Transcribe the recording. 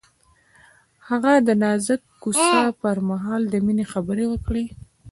هغه د نازک کوڅه پر مهال د مینې خبرې وکړې.